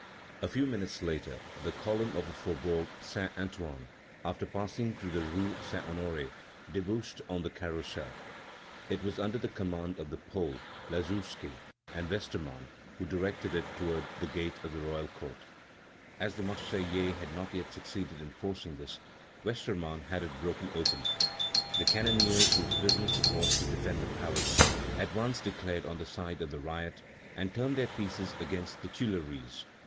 A few minutes later, the column of the Faubourg Saint Antoine, after passing through the rue Saint Honoré, debouched on the Carrousel. It was under command of the Pole, Lazouski, and Westermann, who directed it toward the gate of the Royal Court. As the Marseillais had not yet succeeded in forcing this, Westermann had it broken open. The cannoneers, whose business it was to defend the palace, at once declared on the side of the riot and turned their pieces against the Tuileries.